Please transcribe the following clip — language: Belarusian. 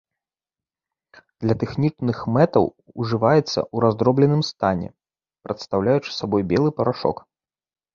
Для тэхнічных мэтаў ўжываецца ў раздробленым стане, прадстаўляючы сабой белы парашок.